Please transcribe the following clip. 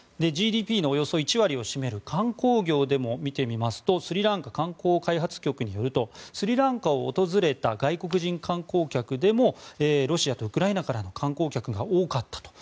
ＧＤＰのおよそ１割を占める観光業でも見てみますとスリランカ観光開発局によるとスリランカを訪れた外国人観光客でもロシアとウクライナからの観光客が多かったと。